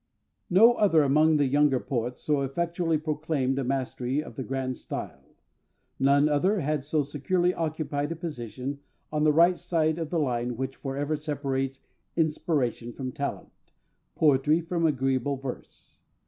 _ No other among the younger poets so effectually proclaimed a mastery of the grand style: none other had so securely occupied a position on the right side of the line which for ever separates inspiration from talent, poetry from agreeable verse.